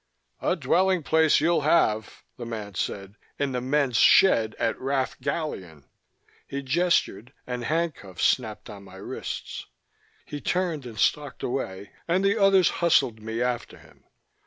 "A dwelling place you'll have," the man said. "In the men's shed at Rath Gallion." He gestured, and handcuffs snapped on my wrists. He turned and stalked away, and the others hustled me after him.